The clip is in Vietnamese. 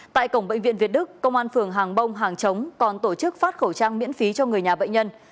tại cổng bệnh viện việt đức công an phường hàng bông hàng chống còn tổ chức phát khẩu trang miễn phí cho người nhà bệnh nhân